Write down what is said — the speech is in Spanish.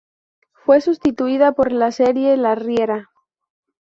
Fue sustituida por la serie La Riera.